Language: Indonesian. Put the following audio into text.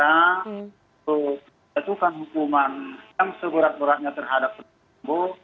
untuk menjatuhkan hukuman yang seberat beratnya terhadap tersebut